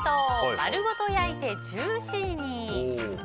丸ごと焼いてジューシーに。